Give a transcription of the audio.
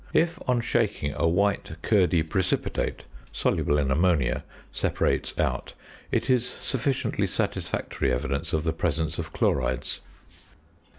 If, on shaking, a white curdy precipitate, soluble in ammonia, separates out, it is sufficiently satisfactory evidence of the presence of chlorides.